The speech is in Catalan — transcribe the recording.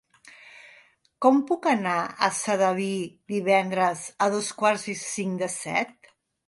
Com puc anar a Sedaví divendres a dos quarts i cinc de set?